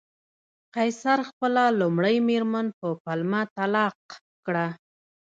قیصر خپله لومړۍ مېرمن په پلمه طلاق کړه